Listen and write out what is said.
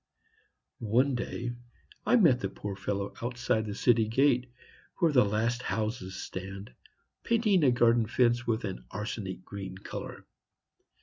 One day I met the poor fellow outside the city gate, where the last houses stand, painting a garden fence with an arsenic green color.